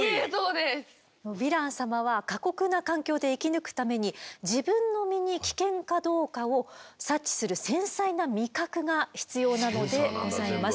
ヴィラン様は過酷な環境で生き抜くために自分の身に危険かどうかを察知する繊細な味覚が必要なのでございます。